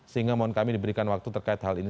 sehingga mohon kami diberikan waktu terkait hal ini